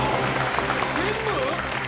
全部？